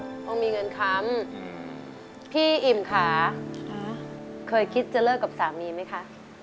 เพราะมีเงินค้ำพี่อิ่มค่ะเคยคิดจะเลิกกับสามีไหมคะ